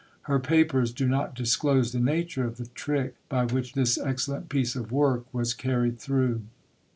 Her papers do not disclose the nature of the "trick" by which this excellent piece of work was carried through.